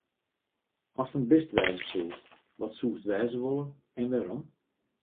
Ast in bist wêze soest, wat soest wêze wolle en wêrom?